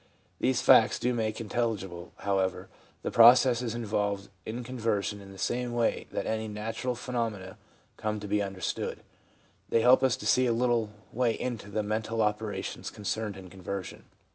These facts do make intelligible, however, the processes involved in conversion in the same way that any natural phenomena come to be understood. They help us to see a little way into the mental operations concerned in conversion.